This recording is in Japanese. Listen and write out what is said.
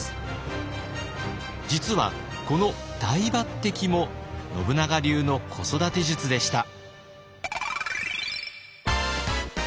実はこの大抜擢も信長流の子育て術でした。